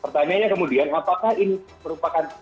pertanyaannya kemudian apakah ini merupakan